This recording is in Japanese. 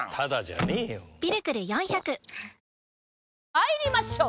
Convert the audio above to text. まいりましょう！